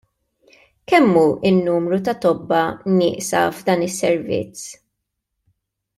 Kemm hu n-numru ta' tobba nieqsa f'dan is-servizz?